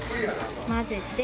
混ぜて。